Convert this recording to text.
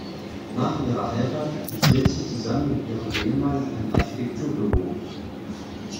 Nach ihrer Heirat betrieb sie zusammen mit ihrem Ehemann ein Architekturbüro.